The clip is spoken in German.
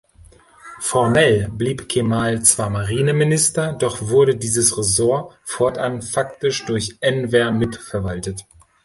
Formell blieb Cemal zwar Marineminister, doch wurde dieses Ressort fortan faktisch durch Enver mitverwaltet.